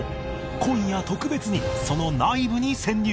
今夜特別にその内部に潜入